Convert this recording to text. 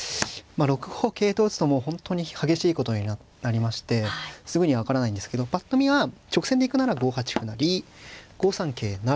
６五桂と打つと本当に激しいことになりましてすぐには分からないんですけどぱっと見は直線で行くなら５八歩成５三桂不成。